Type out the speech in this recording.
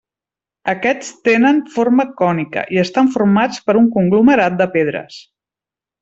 Aquests tenen forma cònica i estan formats per un conglomerat de pedres.